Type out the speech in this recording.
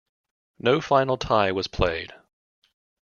No final tie was played.